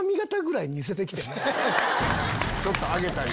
ちょっと上げたりね。